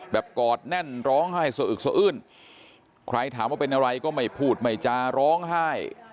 กอดแน่นร้องไห้สะอึกสะอื้นใครถามว่าเป็นอะไรก็ไม่พูดไม่จาร้องไห้